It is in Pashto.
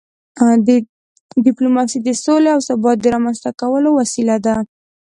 ډیپلوماسي د سولې او ثبات د رامنځته کولو وسیله ده.